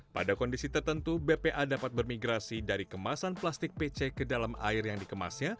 pada kondisi tertentu bpa dapat bermigrasi dari kemasan plastik pc ke dalam air yang dikemasnya